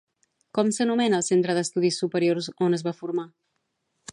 Com s'anomena el centre d'estudis superiors on es va formar?